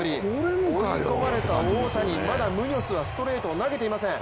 追い込まれた大谷まだムニョスはストレートを投げていません。